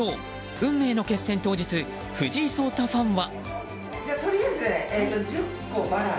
運命の決戦当日藤井聡太ファンは？